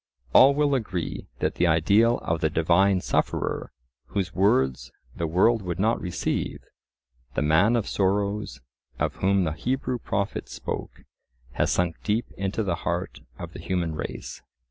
All will agree that the ideal of the Divine Sufferer, whose words the world would not receive, the man of sorrows of whom the Hebrew prophets spoke, has sunk deep into the heart of the human race.